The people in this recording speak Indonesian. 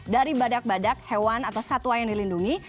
dari badak badak hewan atau satwa yang dilindungi